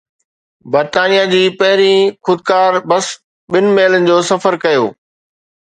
برطانيه جي پهرين خودڪار بس ٻن ميلن جو سفر ڪيو